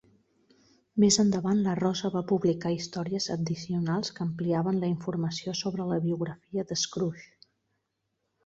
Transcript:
Més endavant, la Rosa va publicar històries addicionals que ampliaven la informació sobre la biografia de Scrooge.